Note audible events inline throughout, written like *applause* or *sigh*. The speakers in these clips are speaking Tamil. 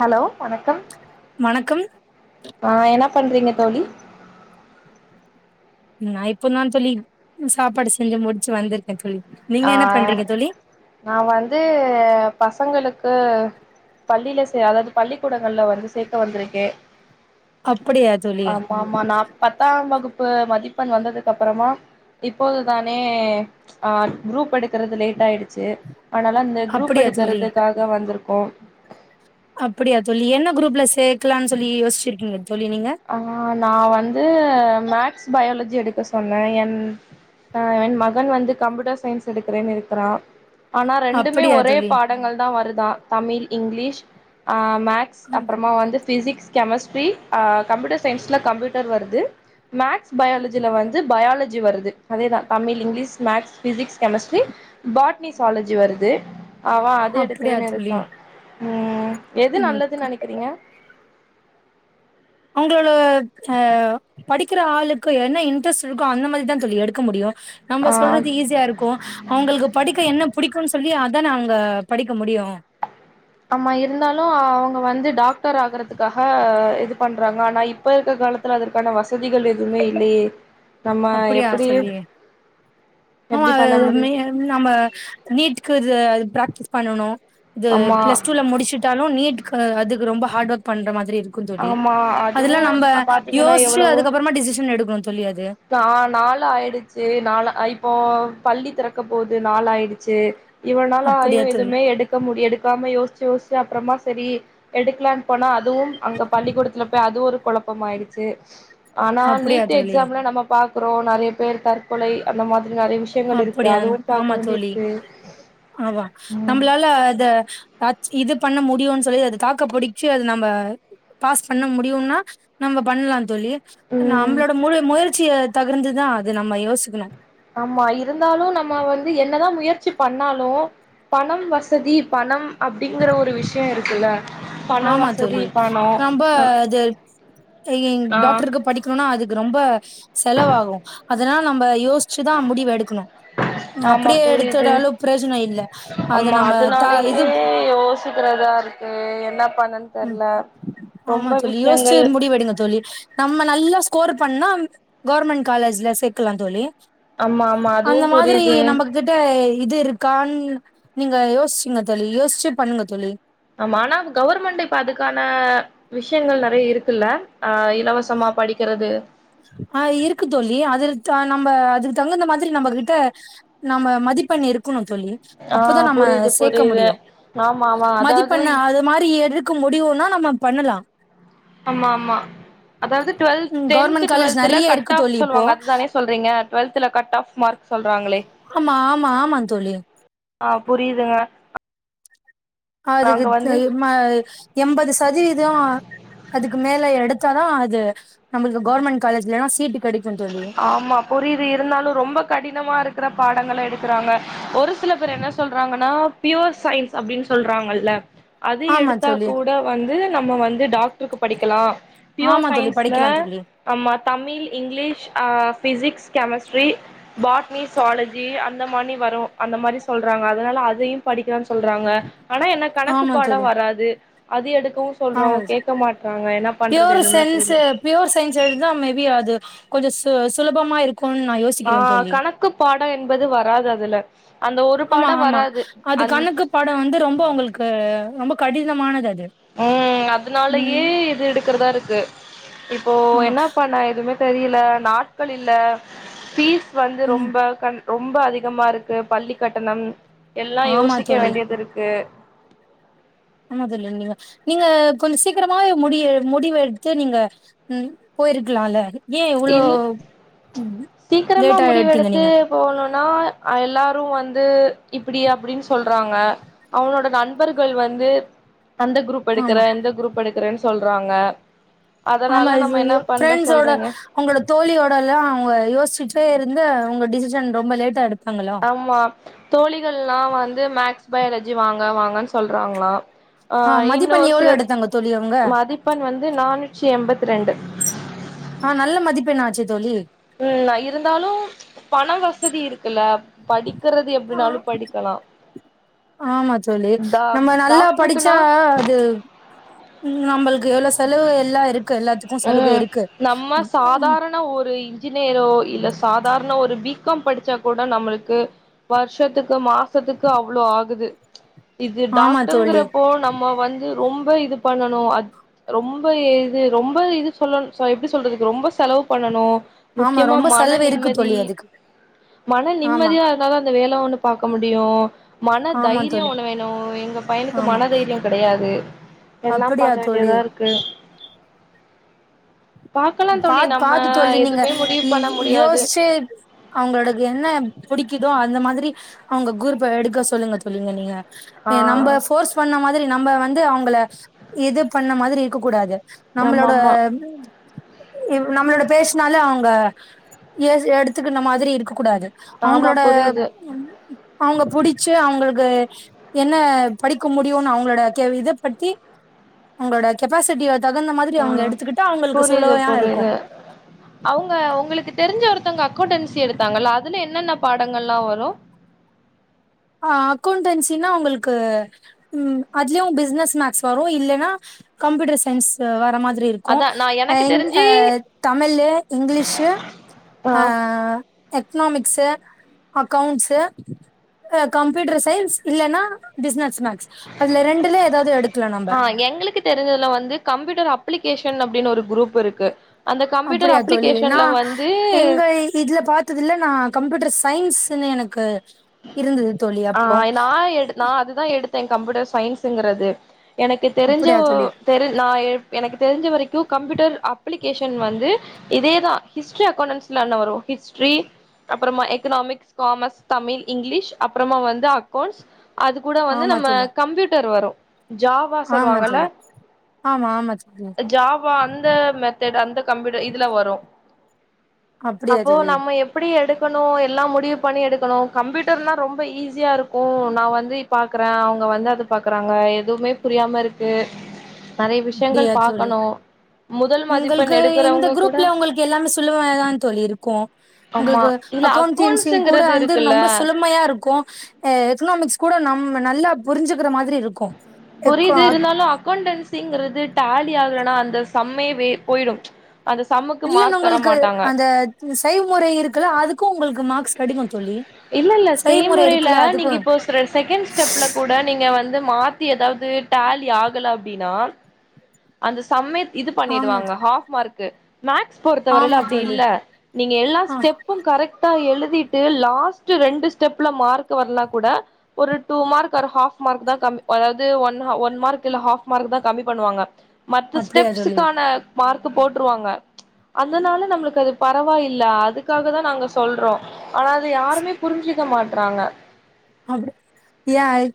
ஹலோ வணக்கம் வணக்கம் ஆ என்ன பண்றீங்க தோழி நான் இப்பந்தா தோழி சாப்பாடு செஞ்சு முடிச்சு வந்திருக்கே தோழி நீங்க ஆ என்ன பண்றீங்க தோழி நா வந்து பசங்களுக்கு பள்ளில சே அதாவ்து பள்ளிக்கூடங்கள்ல வந்து சேக்க வந்திருக்கே அப்புடியா தோழி ஆமா ஆமா நா பத்தாம் வகுப்பு மதிப்பெண் வந்ததுக்கப்றமா இப்போது தானே ஆ குரூப் எடுக்கிறது லேட் ஆய்டுச்சு அதுனால இந்த குரூப் அப்படியா தோழி எடுக்கிறதுக்காக வந்திர்க்கோ அப்புடியா தோழி என்ன குரூப்ல சேக்லான் சொல்லி யோச்சிருக்கீங்க தோழி நீங்க ஆ நா வந்து மேக்ஸ் பயாலஜி எடுக்க சொன்ன என் ஆ என் மகன் வந்து கம்ப்யூட்டர் சயின்ஸ் எடுக்கிறேன்னு இருக்கிறான் ஆனா ரெண்டுமே அப்படியா ஒரே தோழி பாடங்கள் தா வருதா தமிழ் இங்கிலீஷ் ஆ மேக் ஸ் அப்- அப்புறமா வந்து பிசிக்ஸ் கெமஸ்ட்ரி கம்ப்யூட்டர் சயின்ஸ்ல கம்ப்யூட்டர் வருது மேக்ஸ் பயாலஜில வந்து பயாலஜி வருது அதேதா Tamil English maths physics chemistry botany zoology வருது அவ அது அப்படியா எடுக்கிறேன்னு தோழி இருக்கான் ம் எது ம் நல்லதுன்னு நெனைக்கிறீங்க அவுங்களோட ஆ படிக்கிற ஆளுக்கு என்ன இன்ட்ரெஸ்ட் இருக்கோ அந்த மாரிதா தோழி எடுக்க முடியு நம்ப ஆ சொல்றது ஈஸியா இருக்கும் அவுங்களுக்கு படிக்க என்ன புடிக்குன்னு சொல்லி அதான அவுங்க படிக்க முடியு ஆமா இருந்தாலு அவுங்க வந்து டாக்டர் ஆகுறதுக்காக இது பண்றாங்க ஆனா இப்ப இருக்க காலத் துல அதற்கான வசதிகள் எதுவுமே இல்லையே நம்ம அப்டியா எப்டி சொல்லி ஆமா எப்டி பண்ண அது முடியு மே ம் நம்ம நீட்க்கு இது பிராக்டிஸ் பண்ணனு இது ஆமா பிளஸ் டூல முடிச்சிட் ட்டாலு நீட்க்கு அதுக்கு ரொம்ப ஹார்ட் ஒர்க் பண்ற மாதிரி இருக் கு தோழி ஆமா அதுவு அதெல்லா நம்ப இப்ப பாத்தீங்கன்னா யோசிச்சு அதுக்கப்புறமா டிசிஷன் எடுக்கணு தோழி அது நால் நாளாயிடுச்சு நால இப்போ பள்ளி திறக்க போகுது நாள் ஆயிடுச்சு இவ்ளோ நாளா ஐயோ அப்படியா தோழி எதுவுமே எடுக் க முடிய எடுக்காம யோசிச்சு யோசிச்சு அப்புறமா சரி எடுக்கலாம்னு போனா அதுவும் அங்க பள்ளிக்கூடத்துல போய் அது ஒரு கொழப்பமாயிடுச்சு ஆனா அப்படியா நீட் தோழி எக்ஸாம்ல நம்ம பாக்கறோ நெறைய பேர் தற்கொலை அந்த மாதிரி நெறைய விஷ் அப்படியா ஆமா தோழி ஆமா ம் நம்பளால அத *unintelligible* இது பண்ண முடியுன்னு சொல்லி அதுக்காக புடிச்சு அது நம்ப பாஸ் பண்ண முடியும்னா நம்ப பண்ணலா தோழி ம் நம்பளோட முள முயற்சியில தகர்ந்துதா அது நம்ம யோசிக்கணு ஆமா இருந்தாலு நம்ம வந்து என்னதா முயற்சி பண்ணாலு பணம் வசதி பணம் அப்டிங்கற ஒரு விஷயம் இருக்குல்ல பண ஆமா வசதி தோழி பணோ ரொம்ப அது இங் ஆ டாக்டருக்கு படி கணுன்னா அதுக்கு ரொம்ப செலவாகு அதனால நம்ப யோசிச்சுதா முடிவு எடுக்கணும் ஆமா அப்டியே புரியுது எடுத்துட்டாலு பிரயோஜன இல்ல அத நம்ம த இது ச்சக்கிறதா இருக்கு என்ன பண்ணன் ம் ஆமா தோழி யோசிச்சு முடிவெடுங்க தோழி நம்ம நல்லா ஸ்கோர் பண்ணா கவர்மெண்ட் காலேஜ்ல சேக்கலா தோழி ஆமா ஆமா அதுவு அந்த மாதிரி புரியுது நம்ப க்கிட்ட இது இருக்கான்னு நீங்க யோசிச்சுங்க தோழி யோசிச்சி பண்ணுங்க தோழி ஆமா ஆனா அது கவுர்மெண்டு இப்ப அதுக்கான விஷயங்கள் நெறைய இருக்குல்ல ஆ இலவசமா படிக்கிறது ஆ இருக்கு தோழி அதற்கா நம்ப அதுக்கு தகுந்த மாதிரி நம்பக்கிட்ட நம்ம மதிப்பெண் இருக்கணு தோழி ஆ அப்போதா நம்ம புரியுது சேக்க புரியுது முடியு ஆமா ஆமா மதிப்பெண்ண அதாவது அது மாரி எடுக்க முடியுன்னா நம்ம பண்ணலா ஆமா ஆமா அதாவது டுவெல்த் ம் டென்த் கவர்மெண்ட் காலேஜ் டுவெல்த்துல நெறைய இருக்கு கட் ஆஃப் தோழி இப்போ சொல்லுவாங்க அதுதானே சொல்றீங்க டுவெல்த்துல கட் ஆஃப் மார்க் சொல்றாங்களே ஆமா ஆமா ஆமா தோழி ஆ புரியுதுங்க அதுக்கு நாங்க வந்து தெர்மா எம்பது சதவீதோ அதுக்கு மேல எடுத்தாதா அது நம்மளுக்கு கொவுவர்மெண்ட் காலேஜ்லல்லா சீட்டு கெடைக்கு தோழி ஆமா புரியுது இருந்தாலு ரொம்ப கடினமா இருக்கிற பாடங்கள எடுக்கறாங்க ஒரு சிலபேர் என்ன சொல்றாங்கனா பியூர் சயின்ஸ் அப்டினு சொல்றாங்கல்ல அது ஆமா தோழி எடுத்தாக்கூ ட வந்து நம்ம வந்து டாக்டருக்கு படிக்கலா பியூர் ஆமா தோழி சயின்ஸ்ல படிக்கலா தோழி ஆமா தமிழ் இங்கிலீஷ் அஹ் ஃபிசிக்ஸ் கெமஸ்ட்ரி பாட்னி ஸ்சுவாலஜி அந்த மானி வரு அந்த மாரி சொல்றாங்க அதனால அதையு படிக்கலான்னு சொல்றாங்க ஆனா என்ன கணக்கு ஆமா தோழி பாடம் வராது அது எடுக்கவு சொல்றோ ஆமா கேட்க மாட்றாங்க என்ன பண்றது பியூர் எதுமே சயின்ஸ் புரியல பியூர் சயின்ஸ் எடுத்தா மேபி அது கொஞ்சோ சு சுலபமா இருக்கும்னு நா யோ ஆஹ் கணக்கு பாட என்பது வராது அதுல அந்த ஒரு பாடம் வராது அந் பாடம் வந்து ரொம்ப உங்களுக்கு ரொம்ப கடினமானது அது ம் அதுனாலயே ம் இது எடுக்கிறதா இருக்கு இப்போ ஆமா என்ன பண்ண எதுமே தெரியல நாட்கள் இல்ல பீஸ் வந்து ம் ரொம்ப கண் ரொம்ப அதிகமா ருக்கு பள்ளி கட்டணம் எல்லா ஆமா யோசிக்க தோழி வேண்டியது இருக்கு ஆமாதுல்ல நீங்க நீங்க கொஞ்சமாவே சீக்கிரமாவே முடி எ முடிவு எடுத்து நீங்க ம் போயிருக்கலால ஏன் இவ்ளோ இல் ம் ஹு சீக்கிரமா லேட் ஆ எடுத்தீங்க முடிவெடுத்து நீங்க போணுனா அ எல்லாரு வந்து இப்டி அப்டின்னு சொல்றாங்க அவளோட நண்பர்கள் வந்து அந்த குரூப் எடுக்கற ஆமா எந்த குரூப் எடுக்கறேன்னு சொல்றாங்க அதனால நம்ம என்ன பண்ற சொல்றீங்க உங்களோ தோழியோட எல்லா அவுங்க யோசிச்சுட்டே இருந்து உங்க டிசிஷன் ரொம்ப லேட்டா எடுத்தாங்களா ம்மா தோழிகள்ல்லா வந்து மேக்ஸ் பயாலஜி வாங்க வாங்கன் சொல்றாங்களா ஆ ஆஹ் இன்னு மதிப்பெண் ஒரு எவ்ளோ சில எடுத்தாங்க தோழி அவுங்க மதிப்பெண் வந்து நானூற்றி எம்பத் ரெண்டு ஆஹ் நல்ல மதிப்பெண் ஆச்சே தோழி ம் அ இருந்தாலு பணம் வசதி இருக்குல்ல படிக்கிறது ஆ எப்டின்னாலு படிக்கலா ஆமா தோழி டா நம்ம நல்லா படிச்சா டாக்டருக்குன்னா அஹ் அது ம் நம்மளுக்கு எவ்ளோ சலுகை எல்லா இருக்கு எல்லாத்துக்கு சலுகை இருக்கு ம் ஹும் ஆனா ஒரு இன்ஜினியரோ இல்ல சாதாரண ஒரு பிகாம் படிச்சா கூட நம்மளுக்கு வருஷத்துக்கு மாசத்துக்கு அவ்ளோ ஆகுது இது ஆமா தோழி டாக்டர்ங்கிறப்போ நம்ம வந்து ரொம்ப இது பண்ணணும் அ ரொம்ப இது ரொம்ப இது சொல்லணு எப்டி சொல்றதுக்கு ரொம்ப செலவு பண்ணணு ஆமா முக்கியமா ரொம்ப மன செலவு இருக்கு நிம்மதி தோழி அதுக்கு மன ஆமா நிம்மதியா இருந்தாதா அந்த வேலை ஒண்ணு பாக்க முடியு மன ஆமா தைரியோ தோழி ஒன்னு வேணு எங்க பையனுக்கு ஆமா மனதைரியோ கெடையாது எல்லா அப்படியா பாக்க தோழி வேண்டியதா இருக்கு பாக்கலா தோழி பாத் நம்ம பாத்து தோழி எது நீங்க இ யோஸ்ச்சே அவுங்களோடளுக்கு என்ன புடிக்குதோ அந்த மாதிரி அவுங்க குரூப்ப எடுக்க சொல்லுங்க தோழி சொல்லுங்க நீங்க ஆ ஏ நம்ப ஃபோர்ஸ் பண்ண மாதிரி நம்ம வந்து அவுங்கள இது பண்ண மாதிரி இருக்க கூடாது ஆமா நம்மளோட ஆமா இ நம்மளோட பேசுனாலே அவுங்க எடுத்துக்குன மாதிரி இருக்க கூடாது ஆமா அவுங்களோட புரியுது அவுங்க புடிச்ச அவுங்குளுக்கு என்ன படிக்க முடியுனு அவுங்களோட கெ இத பத்தி அவுங்களோட கெப்பாசிட்டிய தகுந்த மாதிரி அவுங்க எடுத்துக்கிட்டு அவுங்குளுக்கு சுலவையான வேற அவுங்க உங்களுக்கு தெரிஞ்ச ஒருத்தவங்க அக்கௌண்டன்சி எடுத்தாங்கல அதுல என்னென்ன பாடங்கள் ல்லா வரு ஆ அக்கௌண்டன்சினா உங்குளுக்கு ம் அதுலயு பிசினஸ் மேக்ஸ் வரோ இல்லன்னா கம்ப்யூட்டர் சயின்ஸ் வர மாதிரி இருக் க்கோ அதா நா அ எனக்கு இங்க தெரிஞ்சு தமிழு இங்கிலீஷு ஆ எக்கனாமிக்ஸ்சு அக்கௌண்ட்ஸ்சு கம்ப்யூட்டர் சயின்ஸ் இல்லன்னா பிஸ்னஸ் மேக்ஸ் அதுல ரெண்டுலயே எதாவது எடுக்கலா நம்ப எங்குளுக்கு தெரிஞ்சுதுல வந்து கம்ப்யூட்டர் அப்ளிகேஷன் அப்டீனு ஒரு குரூப் இருக்கு அந்த கம்ப்யூட்டர் அப்புடியா தோழி நா அப்ளிகேஷன்ல வந்து எங்க இதுல பாத் ததுல நா கம்ப்யூட்டர் சயின்ஸுனு எனக்கு இருந்துது தோழி ஆ அப்போ நா எடு நா அதுதா எடுத்தே கம்ப்யூட்டர் சயின்ஸுங்குறது எனக்கு தெரிஞ்சு அப்படியா ஒ தோழி தெரிஞ் நா எப் எனக்கு தெரிஞ்ச வெரிக்கோ கம்ப்யூட்டர் அப்ளிகேஷன் வந்து இதேதா ஹிஸ்ட்ரி அக்கௌண்டன்ஸ்லா என்ன வரோ ஹிஸ்ட்ரி அப்பறமா எக்கனாமிக்ஸ் காமர்ஸ் தமில் இங்கிலீஷ் அப்பறமா வந்து அக்கௌண்ட்ஸ் அது கூட வந்து ஆமா நம்ம தோழி கம்ப்யூட்டர் வரோ ஜாவா ஆமா தோழி சொல்லுவாங்கல்ல ஆமா ஆமா தோழி ஜா வ் இப்போ அந்த மெத்தட் அந்த கம்யூட்டர் இதுல வரோ அப்டியா அப்போ தோழி நம்ம எப் புடி எடுக்கணோ எல்லா முடிவு பண்ணி எடுக்கணோ கம்ப்யூட்டர்னா ரொம்ப ஈஸியா இருக்கோ நா வந்து பாக்குற அவுங்க வந்து அது பாக்குறாங்க எதுவுமே புரியாம இருக்கு நறைய விஷயங்கள் பாக்கணோ உங்குளுக்கு இந்த குரூப்ல உங்குளுக்கு எல்லாமே சுலுவாதா தோழி இருக்கோ ஆமா உங்குளுக்கு இதுல அக்கௌண்டன்சியு கூட அக்கௌண்ட்ஸுங்கிறது வந்து இருக்குல்ல ரொம்ப சுலமையா இருக்கோ எ எக்கனாமிக்ஸ் கூட நம் நல்லா புரிஞ்சுக்குற மாதிரி இருக் புரியுது இருந்தாலு அக்கௌண்டன்ஸ் ங்கிறது டாலி ஆகலனா அந்த சம்மே வே போயிடோ அந்த சம்முக்கு மார்க் தர மாட்டாங்க இந்த செய்முறை இருக்குல்ல அதுக்கு உங்குளுக்கு மார்க்ஸ் கெடிக்கோ தோழி இல்ல இல்ல செய் செய்முறை முறையில இருக்குல்ல அதுக்கு நீங்க இப்போ ஸற செகண்ட் ஸ்டெப்ல கூட நீங்க வந்து மாத்தி எதாவது டேலி ஆகல அப்டீன்னா அந்த சம்மே இது ஆமா பண்ணிடுவாங்க ஹாஃப் மார்க்கு மேக்ஸ் பொறுத்த வரையில ஆமா அப்டி தோழி இல்ல நீங்க எல்லா ஆ ஸ்டெப் அப்பும் கரெக்ட்டா எழுதிட்டு லாஸ்ட் ரெண்டு ஸ்டெப்ல மார்க் வர்ல கூட ஒரு டூ மார்க் ஒரு ஹாஃப் மார்க் தா கம்மி அதாவது ஒன்ஹ ஒன் மார்க் இல்ல ஹாஃப் மார்க்குதா கம்மி பண்ணுவாங்க மத்த அப்டியா தோழி ஸ்டெப்ஸுக்கான மார்க் போட்டுருவாங்க அதனால நம்முளுக்கு அது பரவாயில்ல அதுக்காகதா நாங்க சொல்றோ ஆனா அது யாருமே புரிஞ்சிக்க மாட்றாங்க அப்புடி யாய்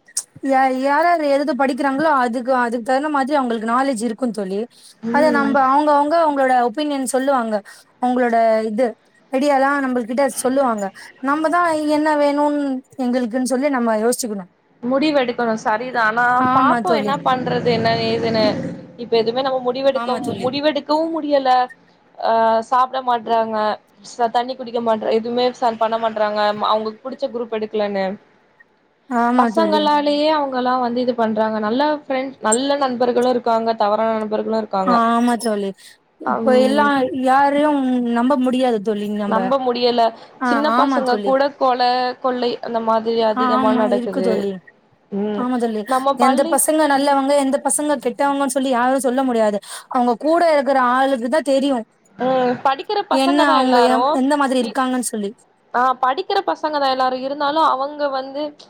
யாய் யார் யாரு எழுத படிக்கிறாங்களோ அதுக்கு அதுக்கு தகுந்த மாதிரி அவுங்குளுக்கு நாலேஜ் இருக்கோ தோழி அத ம் நம்ப அவுங்க அவுங்க அவுங் அவுங்களோட ஒபீனியன் சொல்லுவாங்க அவுங்களோட இது ஐடியாலா நம்புள்ட்ட சொல்லுவாங்க நம்பதா என்ன வேணுன் எங்களுக்குன்னு சொல்லி நம்ம யோசிச்சிக்கணு முடிவெடுக்கணு சரிதா ஆனா ஆமா பாப்போ என்ன தோழி பண்றத் து என்ன ஏதுனு இப்ப எதுமே நம்ம ஆமா முடிவெடுக்கவு தோழி முடிவெடுக்கவு முடியல அ சாப்ட மாட்றாங்க ப்ச தண்ணி குடிக்க மாட்றா எதுமே சான் பண்ண மாட்றாங்க ம அவுங்களுக் புடிச்ச குரூப் எடுக்கலன்னு ஆமா தோழி பசங்களாலேயே அவுங் ங்கல்லா வந்து இது பண்றாங்க நல்ல ஃப்ரெண்ட் நல்ல நண்பர்களு இருக்காங்க தவறான நண்பர்களு இருக் ஆமா தோழி இப்போ எல்லா யாரையு நம்ப முடியாது நம்ப முடியல ஆ சின்ன ஆமா பசங்க தோழி கூட கொல கொள்ளை அந்த மாதிரி ஆ அதிகமா ஆமா இருக்கு நடக்குது தோழி ம் ஆமா தோழி நம்ம எந்த பள்ளி பசங்க நல்லவங்க எந்த பசங்க கெட்டவங்கு சொல்லி யாரு சொல்ல முடியாது அவங்க கூட இருக்கிற ஆளுக்கு தா தெரியு ம் படிக்கிற என்ன பசங்க தா அவங்க எல்லாரு எம் எந்த மாதிரி இ இருக்காங்கன்னு சொல்லி ஆ படிக்கிற பசங்க தா எல்லாரு இருந்தாலு அவங்க வந்து ம்ச்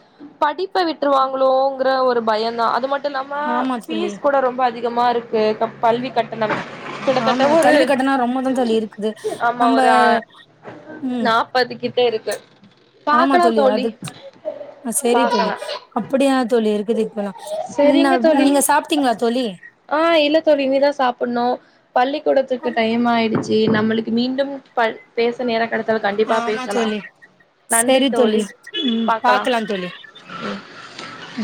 படிப்ப விட்ருவாங்களோங்கற ஒரு பயோந்தா அது மட் டு இல்லாம ஆமா தோழி ஃபீஸ் கூட ரொம்ப அதிகமாருக்கு கப் பள்வி கட்டணம் கிட்டத்தட்ட ஒரு *unintelligible* ரொம்பதம் ஆமா ஒரு ஆ ம் நாப்பது கிட்ட இருக்கு ஆமா தோழி அது செரி தோழி பாக்கலா அப்படியா தோழி இருக்குது இப்பல்லா செரிங்க ன்னப் தோழி நீங்க சாப்ட்டீங்களா தோழி ஆ இல்ல தோழி இனிதா சாப்டணு பள்ளிக்கூடத்துக்கு டைம் ஆயிடுச் சி நம்மளுக்கு மீண்டும் பள் பேச நேரோ கெடத்தால் கண்டிப்பா ஆமா பேசலா தோழி நன்றி சரி தோழி ம் பாக்கலா பாக்கலாம் தோழி ம் ம்